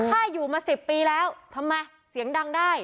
ถ้าอยู่มา๑๐ปีแล้วทำไมเสียงดังได้